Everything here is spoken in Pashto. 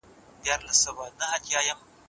ولي هوډمن سړی د ذهین سړي په پرتله موخي ترلاسه کوي؟